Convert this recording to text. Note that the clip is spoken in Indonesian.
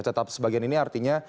tetap sebagian ini artinya